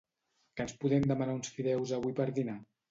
Que ens podem demanar uns fideus avui per dinar?